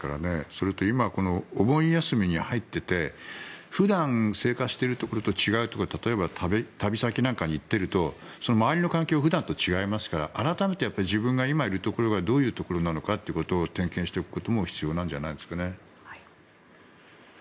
それと今、お盆休みに入っていて普段、生活しているところと違うところで例えば旅先なんかに行っていると周りの環境が普段と違いますから改めて自分が今いるところはどういうところなのかっていうことを点検しておくことも必要なんじゃないですかね。